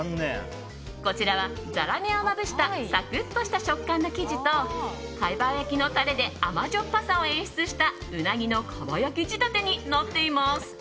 こちらはザラメをまぶしたサクッとした食感の生地とかば焼きのタレで甘じょっぱさを演出したうなぎのかば焼き仕立てになっています。